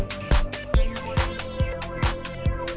โปรดติดตามต่อไป